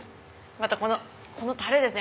またこのたれですね